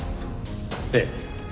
ええ。